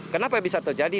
kenapa bisa terjadi